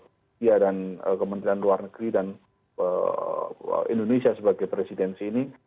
india dan kementerian luar negeri dan indonesia sebagai presidensi ini